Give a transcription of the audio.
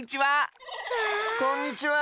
こんにちは！